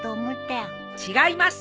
違います！